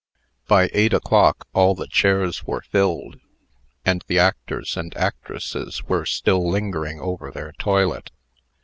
By eight o'clock all the chairs were filled, and the actors and actresses were still lingering over their toilet.